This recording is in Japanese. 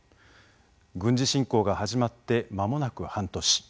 軍事侵攻が始まってまもなく半年。